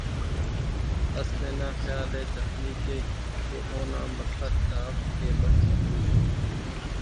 اس تینا خیال ءِ تخلیق کیک تو اونا مسخت دا اف کہ بس مخلوق ءِ